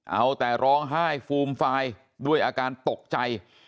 เอาแต่ร้องไห้ฟูมฟายด้วยอาการตกใจ